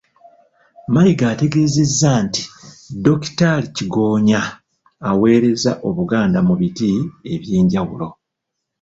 Mayiga ategeezezza nti Dokitaali Kigonya aweerezza Obuganda mu biti eby'enjawulo.